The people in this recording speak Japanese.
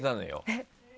えっ！